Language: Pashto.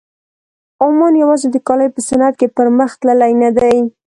عمان یوازې د کالیو په صنعت کې پرمخ تللی نه دی.